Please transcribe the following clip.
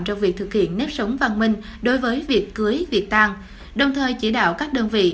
trong việc thực hiện nếp sống văn minh đối với việc cưới việc tan đồng thời chỉ đạo các đơn vị